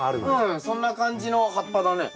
うんそんな感じの葉っぱだね。